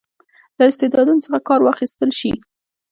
له استعدادونو څخه کار واخیستل شي.